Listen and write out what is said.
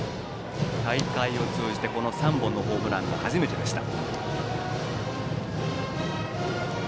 大会を通じてこの３本のホームランが初めてでした。